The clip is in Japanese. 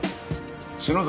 篠崎